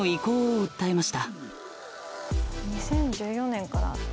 ２０１４年から。